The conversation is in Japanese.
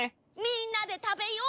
みんなでたべよ！